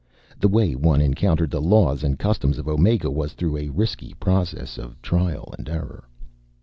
The way one encountered the laws and customs of Omega was through a risky process of trial and error.